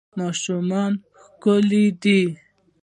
ماشومان ښکلي دي